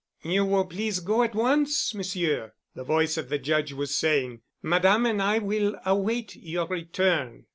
"You will please go at once, Monsieur," the voice of the Judge was saying. "Madame and I will await your return."